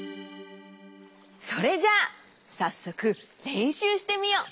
それじゃあさっそくれんしゅうしてみよう。